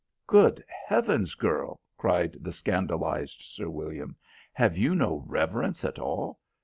"Good heavens, girl," cried the scandalised Sir William, "have you no reverence at all?